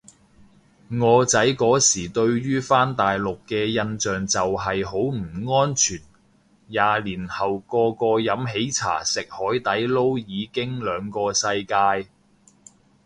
我仔嗰時對於返大陸嘅印象就係好唔安全，廿年後個個飲喜茶食海底撈已經兩個世界